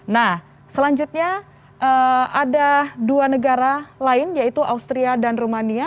nah selanjutnya ada dua negara lain yaitu austria dan rumania